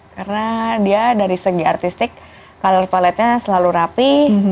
karena dia dari segi artistik color palette nya selalu rapi